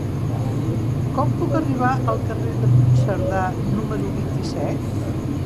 Com puc arribar al carrer de Puigcerdà número vint-i-set?